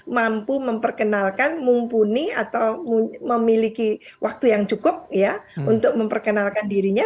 mampu memperkenalkan mumpuni atau memiliki waktu yang cukup ya untuk memperkenalkan dirinya